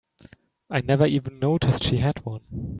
I never even noticed she had one.